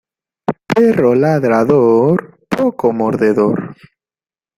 Perro ladrador, poco mordedor.